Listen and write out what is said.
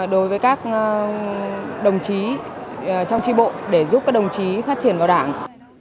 đối với các đồng chí trong tri bộ để giúp các đồng chí phát triển vào đảng